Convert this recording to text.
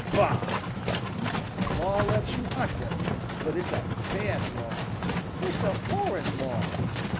Bah! The law lets you hunt them, but it's a bad law. It's a horrid law.